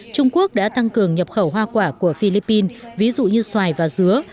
trung quốc đã tăng cường nhập khẩu hoa quả của philippines ví dụ như xoài và dứa